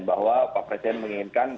bahwa pak presiden menginginkan